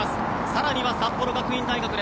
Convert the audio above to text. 更には札幌学院大学。